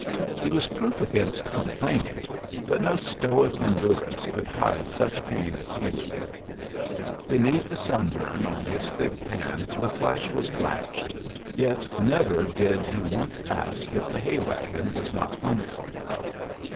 He was proof against complaining, but no stoic endurance could hide such pain as he was in. Beneath the sunburn on his thick hand the flesh was blanched, yet never did he once ask if the hay wagon was not come for him.